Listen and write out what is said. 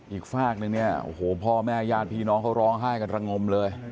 อีกฝากนึงเนี่ยโอ้โหพ่อแม่ญาติพี่น้องเขาร้องไห้กันระงมเลย